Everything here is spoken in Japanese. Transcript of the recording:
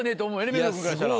目黒君からしたら。